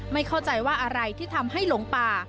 ไม่เข้าใจว่าอะไรที่ทำให้หลงป่า